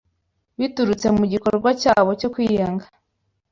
biturutse mu gikorwa cyabo cyo kwiyanga